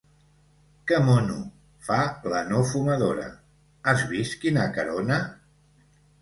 Què mono!, fa la no fumadora, has vist quina carona?